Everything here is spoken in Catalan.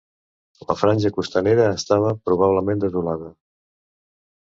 La franja costanera estava probablement desolada.